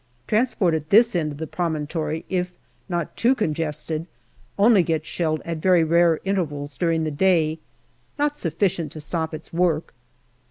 Transport at this end of the promontory, if not too congested, only gets shelled at very rare intervals during the day not sufficient to stop its work.